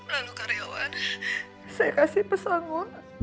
lalu karyawan saya kasih pesangon